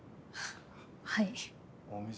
はい。